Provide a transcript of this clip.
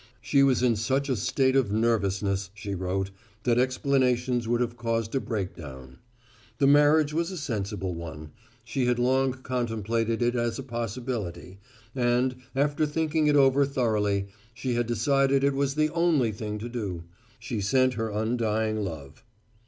She was in such a state of nervousness, she wrote, that explanations would have caused a breakdown. The marriage was a sensible one; she had long contemplated it as a possibility; and, after thinking it over thoroughly, she had decided it was the only thing to do. She sent her undying love.